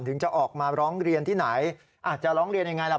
ถึงจะออกมาร้องเรียนที่ไหนอาจจะร้องเรียนยังไงล่ะ